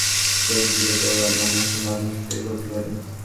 কিছু গোত্র আমাদের সাথে এসে যোগ দিলেই কেবল আমরা মুসলমানদের নিশ্চিহ্ন করতে পারি।